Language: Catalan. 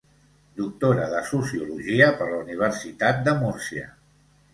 Doctora de sociologia per la Universitat de Múrcia.